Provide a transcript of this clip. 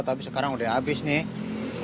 tapi sekarang udah habis nih